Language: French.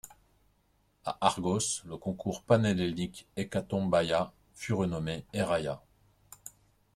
À Argos, le concours panhellénique Hécatombaia fut renommé Héraia.